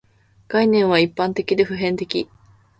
概念は一般的で普遍的